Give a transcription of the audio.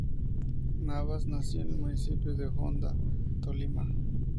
Navas nació en el municipio de Honda, Tolima.